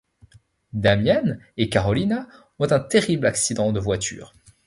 Damián et Carolina ont un terrible accident de voiture.